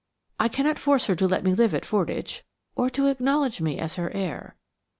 I cannot force her to let me live at Fordwych or to acknowledge me as her heir.